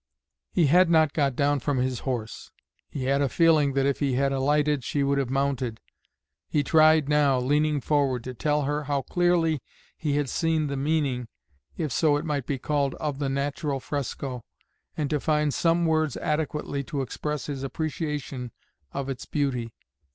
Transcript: He had not got down from his horse; he had a feeling that if he had alighted she would have mounted. He tried now, leaning forward, to tell her how clearly he had seen the meaning, if so it might be called, of the natural fresco, and to find some words adequately to express his appreciation of its beauty.